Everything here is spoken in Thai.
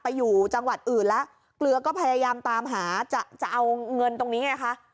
อยู่จังหวัดอื่นแล้วเกลือก็พยายามตามหาจะจะเอาเงินตรงนี้ไงคะ